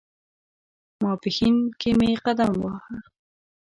ماپښین کې مې قدم واهه.